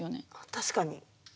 確かに。